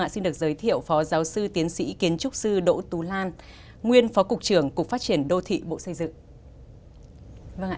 xin được giới thiệu phó giáo sư tiến sĩ kiến trúc sư đỗ tú lan nguyên phó cục trưởng cục phát triển đô thị bộ xây dựng